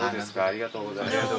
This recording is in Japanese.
ありがとうございます。